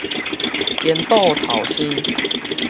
顛倒頭生